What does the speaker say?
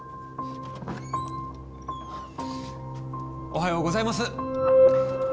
⁉おはようございます！